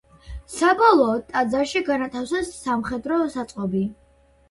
საბოლოოდ ტაძარში განათავსეს სამხედრო საწყობი.